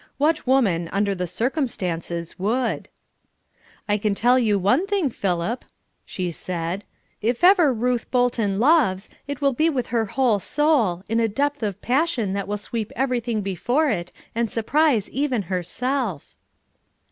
What woman, under the circumstances, would? "I can tell you one thing, Philip," she said, "if ever Ruth Bolton loves, it will be with her whole soul, in a depth of passion that will sweep everything before it and surprise even herself."